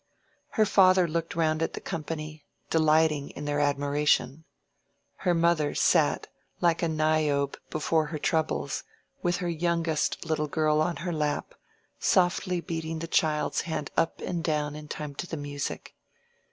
Her father looked round at the company, delighting in their admiration. Her mother sat, like a Niobe before her troubles, with her youngest little girl on her lap, softly beating the child's hand up and down in time to the music.